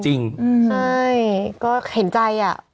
ใช่ก็เห็นใจอ่ะ